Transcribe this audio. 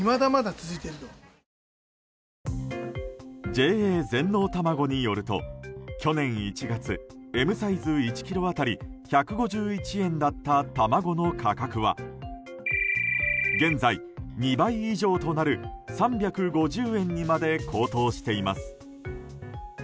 ＪＡ全農たまごによると去年１月Ｍサイズ１ｋｇ当たり１５１円だった卵の価格は現在、２倍以上となる３５０円にまで高騰しています。